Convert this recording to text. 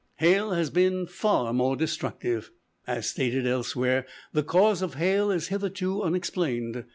Hail has been far more destructive. As stated elsewhere, the cause of hail is hitherto unexplained.